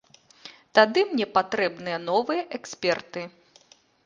Тады мне патрэбныя новыя эксперты.